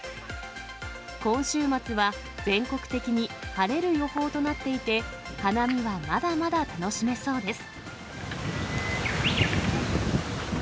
今週末は全国的に晴れる予報となっていて、花見はまだまだ楽しめそうです。